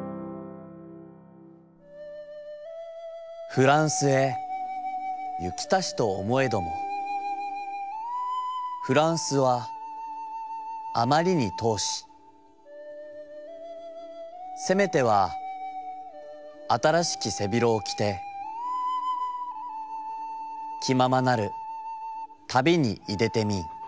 「ふらんすへ行きたしと思へどもふらんすはあまりに遠しせめては新しき背広をきてきままなる旅にいでてみん。